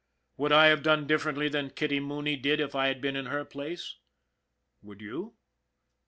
Would I have done differently than Kitty Mooney did if I had been in her place ? Would you